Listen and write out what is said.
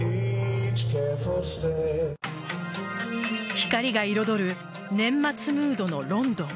光が彩る年末ムードのロンドン。